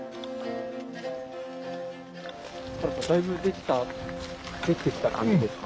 カールさんだいぶできてきた感じですか？